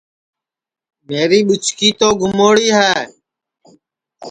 میری ٻُچکی تو گموڑی ہے